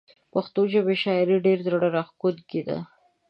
پښتو ژبې شاعري ډيره زړه راښکونکي ده